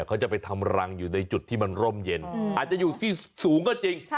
เขาจะไปทำรังอยู่ในจุดที่มันร่มเย็นอาจจะอยู่ที่สูงก็จริง